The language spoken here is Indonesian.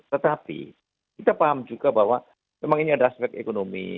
tetapi kita paham juga bahwa memang ini ada aspek ekonomi